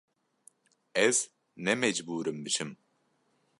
Ez ne mecbûr im biçim.